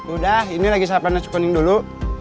udah ini lagi sarapan nasi kuning dulu